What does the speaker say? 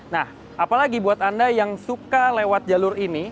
nah apalagi buat anda yang suka lewat jalur ini